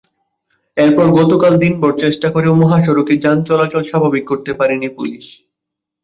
এরপর গতকাল দিনভর চেষ্টা করেও মহাসড়কে যানচলাচল স্বাভাবিক করতে পারেনি পুলিশ।